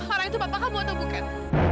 orang itu bapak kamu atau bukan